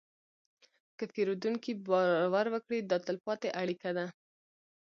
که پیرودونکی باور وکړي، دا تلپاتې اړیکه ده.